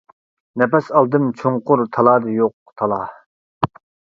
نەپەس ئالدىم چوڭقۇر تالادا يوق تالا.